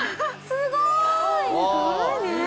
◆すごいね。